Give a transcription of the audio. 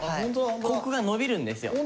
ここが伸びるんですよ。